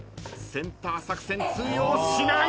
センター作戦通用しない！